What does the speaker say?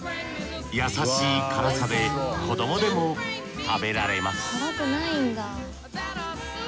優しい辛さで子供でも食べられます